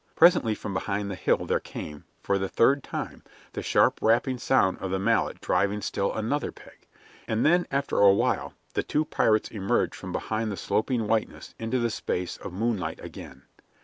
Presently from behind the hill there came, for the third time, the sharp rapping sound of the mallet driving still another peg, and then after a while the two pirates emerged from behind the sloping whiteness into the space of moonlight again.